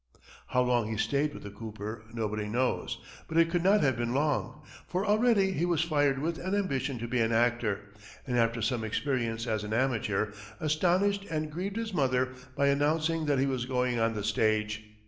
How long he stayed with the cooper nobody knows; but it could not have been long, for already he was fired with an ambition to be an actor, and after some experience as an amateur, astonished and grieved his mother by announcing that he was going on the stage.